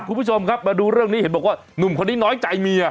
คุณผู้ชมครับมาดูเรื่องนี้เห็นบอกว่าหนุ่มคนนี้น้อยใจเมีย